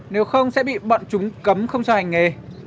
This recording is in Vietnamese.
nếu không sẽ bị bọn chúng cấm không cho hành nghề